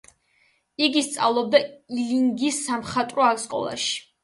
იგი სწავლობდა ილინგის სამხატვრო სკოლაში.